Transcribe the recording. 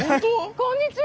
こんにちは。